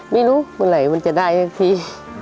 ไม่รู้เมื่อไหร่มันจะได้สักที